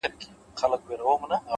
اراده د وېرې غږ کمزوری کوي؛